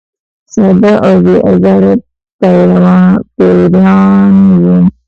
ساده او بې آزاره پیران ول.